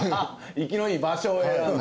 生きのいい場所を選んで。